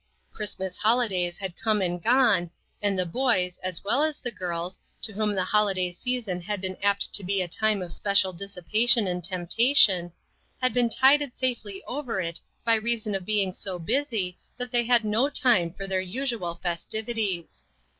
Christmas holidays had come and gone, and the boys, as well as the girls, to whom the holiday season had been apt to be a time of special dissipation and tempta tion, had been tided safely over it by rea son of being so busy that they had no time for their usual festivities.